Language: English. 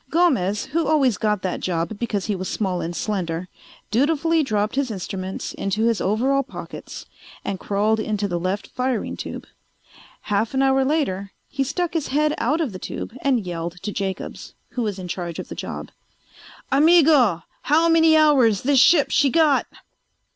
Gomez, who always got that job because he was small and slender, dutifully dropped his instruments into his overall pockets and crawled into the left firing tube. Half an hour later he stuck his head out of the tube and yelled to Jacobs, who was in charge of the job: "Amigo! How many hours this ship she got?"